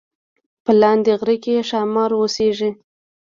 په لاندې غره کې ښامار اوسیږي